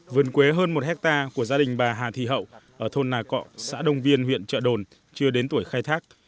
vườn quế hơn một hectare của gia đình bà hà thị hậu ở thôn nà cọ xã đông viên huyện trợ đồn chưa đến tuổi khai thác